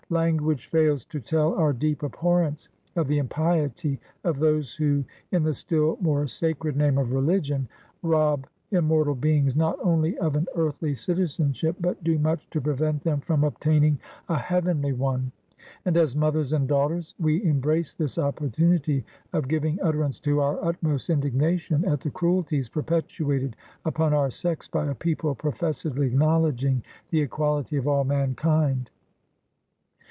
Language fails to tell our deep abhorrence of the impiety of those who, in the still more sacred name of Religion, rob im mortal beings, not only of an earthly citizenship, but do much to prevent them from obtaining a heavenly one : and as mothers and daughters, we embrace this opportunity of giving utterance to our utmost indigna 66 BIOGRAPHY OF tion at the cruelties perpetrated upon our sex by a people professedly acknowledging the equality of all mankind.